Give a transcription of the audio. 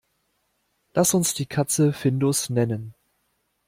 Lass uns die Katze Findus nennen.